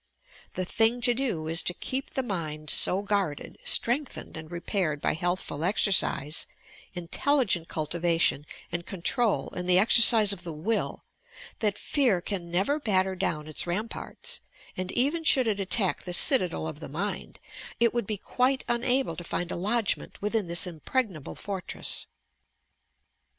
The thing . to do is to keep the mind so guarded, strengthened and ^ repaired by healthful exercise, intelligent cultivation and FEAE AND HOW TO BANISH IT control and the exercise of the will, that fear can never batter down its ramparts, and, even should it attack the citadel of the mind, it would be quite unable to find a lodgment within this impregnable fortress.